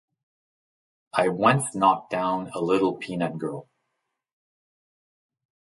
I once knocked down a little peanut girl.